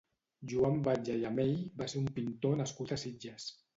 Joan Batlle i Amell va ser un pintor nascut a Sitges.